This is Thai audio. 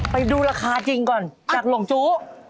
ไปดูราคาจริงก่อนจากหลงจู้